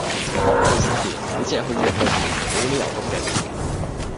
我學藝十年，你只係去咗一個月，冇理由咁勁